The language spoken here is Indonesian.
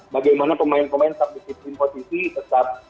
bagaimana pemain pemain tetap di kiri posisi tetap